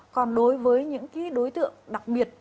còn đối với những đối tượng đặc biệt